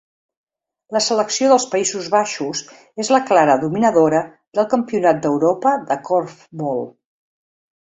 La selecció dels Països Baixos és la clara dominadora del Campionat d'Europa de corfbol.